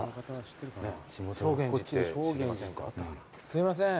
すいません。